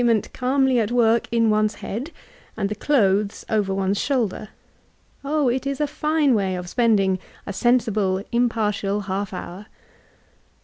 43 the aigament calmly at work in one's head, and the clothes over one's shoulder. Oh — it is a fine way of spending a sensible, impartial half hour.